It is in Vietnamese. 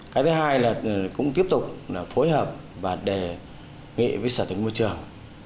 cái thứ hai là cũng tiếp tục phối hợp và đề nghị với sở tính môi trường